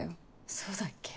そうだっけ？